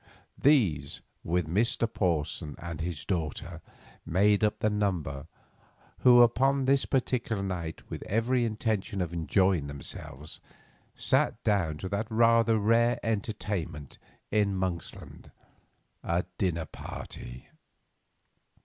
These, with Mr. Porson and his daughter, made up the number who upon this particular night with every intention of enjoying themselves, sat down to that rather rare entertainment in Monksland, a dinner party.